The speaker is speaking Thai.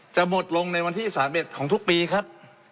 จะหมดลงในวันที่๓๑ของทุกปีครับ